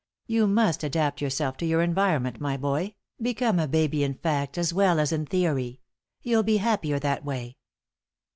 You must adapt yourself to your environment, my boy; become a baby in fact as well as in theory. You'll be happier that way."